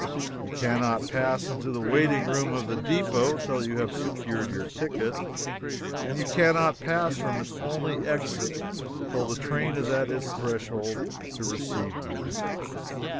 You cannot pass into the waiting room of the depot till you have secured your ticket, and you cannot pass from its only exit till the train is at its threshold to receive you.